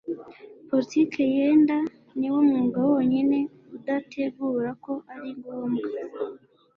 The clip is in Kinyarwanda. Politiki yenda niwo mwuga wonyine udategura ko ari ngombwa